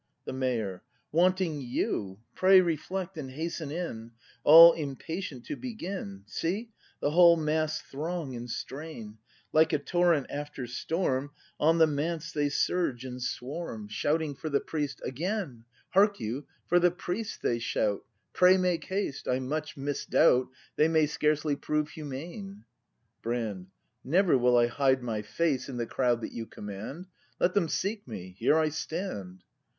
The Mayor. Wanting you! Pray reflect, and hasten in! All impatient to begin. See, the whole mass throng and strain; Like a torrent after storm On the Manse they surge and swarm, ACT V] BRAND 255 Shouting for the Priest. Again, Hark you, for "the Priest" they shout, Pray make haste! I much misdoubt. They may scarcely prove humane! Brand. Never will I hide my face In the crowd that you command; Let them seek me: here I stand.